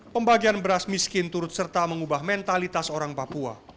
pembagian beras miskin turut serta mengubah mentalitas orang papua